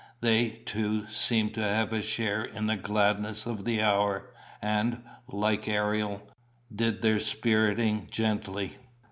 They, too, seemed to have a share in the gladness of the hour, and, like Ariel, did their spiriting gently.